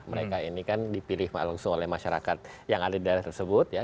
mereka ini kan dipilih langsung oleh masyarakat yang ada di daerah tersebut ya